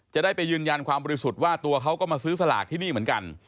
จะได้ไปยืนยันความบริสุทธิ์ว่าตัวเขาก็มาซื้อสลากที่นี่เหมือนกัน